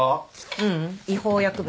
ううん違法薬物。